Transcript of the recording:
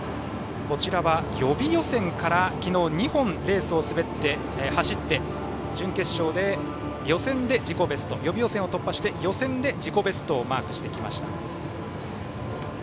こちらは予備予選から昨日、２本レースを走って予備予選を突破して、予選で自己ベストをマークしました。